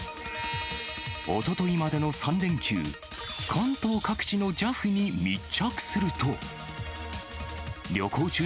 おとといまでの３連休、関東各地のＪＡＦに密着すると。